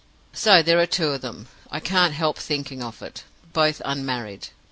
"So there are two of them I can't help thinking of it both unmarried.